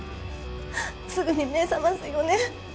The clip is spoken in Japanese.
すぐに目覚ますよね？